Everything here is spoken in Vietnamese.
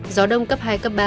gió đông cấp hai cấp ba